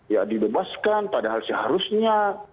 ya dibebaskan padahal seharusnya